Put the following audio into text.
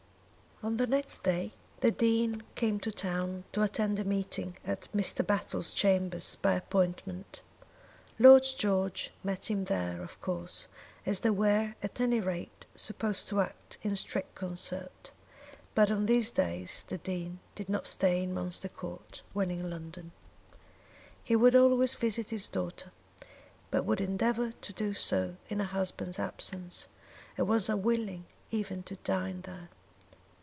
On the next day the Dean came to town to attend a meeting at Mr. Battle's chambers by appointment. Lord George met him there, of course, as they were at any rate supposed to act in strict concert; but on these days the Dean did not stay in Munster Court when in London. He would always visit his daughter, but would endeavour to do so in her husband's absence, and was unwilling even to dine there.